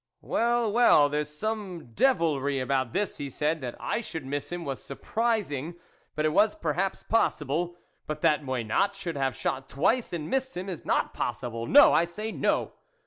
" Well, well, there's some devilry about this," he said. " That I should miss him was surprising, but it was perhaps possible; but that Moynat should have shot twice and missed him is not possible, no, I say, no."